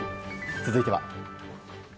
続いては。